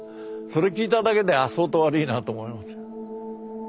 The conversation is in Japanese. それ聞いただけで相当悪いなと思いますよ。